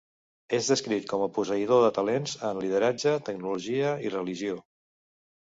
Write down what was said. És descrit com a posseïdor de talents en lideratge, tecnologia i religió.